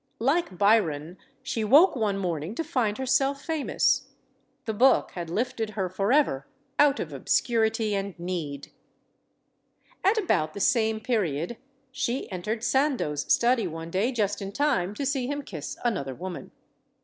Like Byron, she woke one morning to find herself famous. The book had lifted her forever out of obscurity and need. At about the same period, she entered Sandeau's GEORGE SAND J61. study one day just in time to see him kiss another woman.